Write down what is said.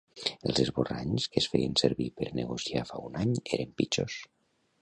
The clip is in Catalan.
Els esborranys que es feien servir per negociar fa un any eren pitjors.